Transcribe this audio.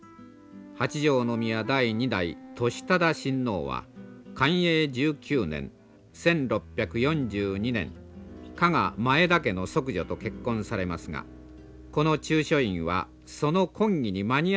八条宮第二代智忠親王は寛永１９年１６４２年加賀前田家の息女と結婚されますがこの中書院はその婚儀に間に合うよう造営されたものであろうといわれます。